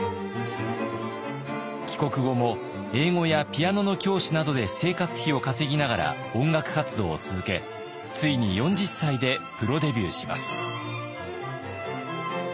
帰国後も英語やピアノの教師などで生活費を稼ぎながら音楽活動を続けついに４０歳でプロデビューします。